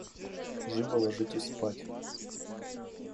Живо ложитесь спать.